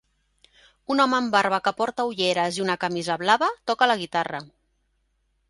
Un home amb barba que porta ulleres i una camisa blava toca la guitarra.